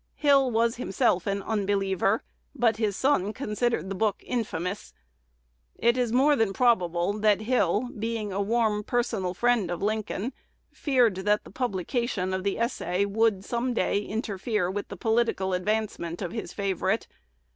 Hill was himself an unbeliever, but his son considered this book "infamous." It is more than probable that Hill, being a warm personal friend of Lincoln, feared that the publication of the essay would some day interfere with the political advancement of his favorite.